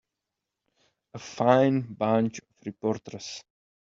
A fine bunch of reporters.